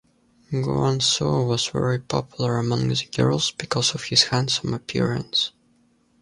Guan Suo was very popular among the girls because of his handsome appearance.